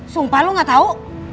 sumpah lo gak tau